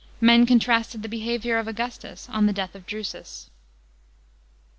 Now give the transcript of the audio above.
Men contrasted the behaviour of Augustus on the death of Drusus.